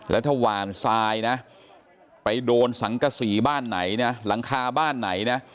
แล้วถ้าหวานทรายนะไปโดนสังกษีบ้านไหนนะหลังคาบ้านไหนนะ